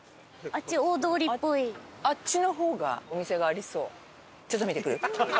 あっちの方がお店がありそう。